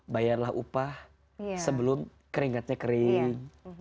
bayarlah upah sebelum keringatnya kering